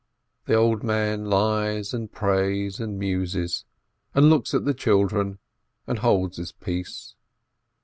The old man lies and prays and muses, and looks at the children, and holds his peace.